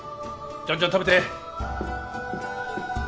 じゃんじゃん食べて。